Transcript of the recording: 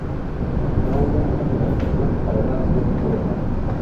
No hubo una penalización para una respuesta incorrecta.